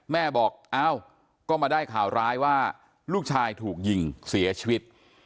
แม่บอกอ้าวก็มาได้ข่าวร้ายว่าลูกชายถูกยิงเสียชีวิต